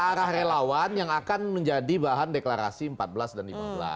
arah relawan yang akan menjadi bahan deklarasi empat belas dan lima belas